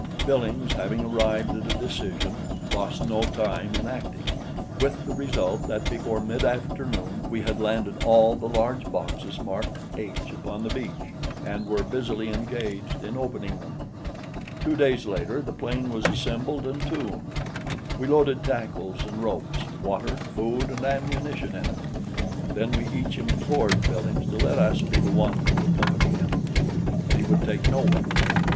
Billings, having arrived at a decision, lost no time in acting, with the result that before mid afternoon we had landed all the large boxes marked "H" upon the beach, and were busily engaged in opening them. Two days later the plane was assembled and tuned. We loaded tackles and ropes, water, food and ammunition in it, and then we each implored Billings to let us be the one to accompany him. But he would take no one.